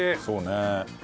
そうね。